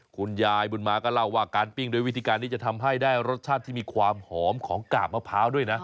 คุณยายบุญมาก็เล่าว่าการปิ้งด้วยวิธีการนี้จะทำให้ได้รสชาติที่มีความหอมของกาบมะพร้าวด้วยนะ